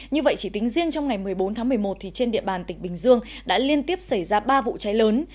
như vậy chỉ tính riêng trong ngày một mươi bốn tháng một mươi một thì trên địa bàn tỉnh bình dương đã liên tiếp xảy ra ba vụ cháy lớn